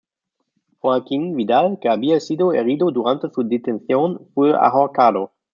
Joaquín Vidal, que había sido herido durante su detención, fue ahorcado.